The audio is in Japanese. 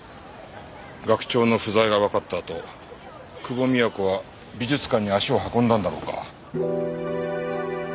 学長の不在がわかったあと久保美也子は美術館に足を運んだんだろうか。